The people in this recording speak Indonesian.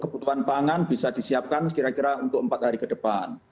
kebutuhan pangan bisa disiapkan kira kira untuk empat hari ke depan